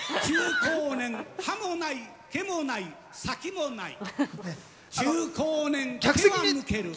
中高年、歯もない、毛もない、先もない。